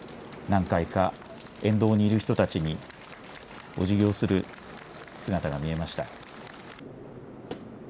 何回か沿道にいる人たちにおじぎをする姿が見えました。